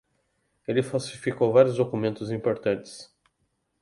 Ele falsificou vários documentos públicos importantes